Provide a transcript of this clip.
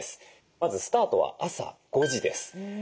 まずスタートは朝５時です。